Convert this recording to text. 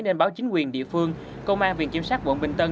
nên báo chính quyền địa phương công an viện kiểm sát quận bình tân